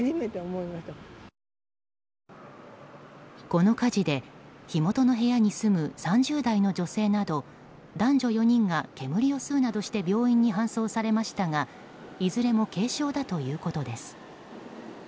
この火事で火元の部屋に住む３０代の女性など男女４人が煙を吸うなどして病院に搬送されましたがいずれも軽症だということです。